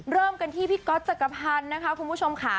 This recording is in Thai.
เริ่มกันที่พี่ก๊อตจักรพันธ์นะคะคุณผู้ชมค่ะ